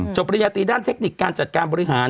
ปริญญาตีด้านเทคนิคการจัดการบริหาร